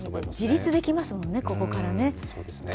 自立できますもんね、ここからね。